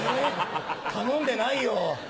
頼んでないよ。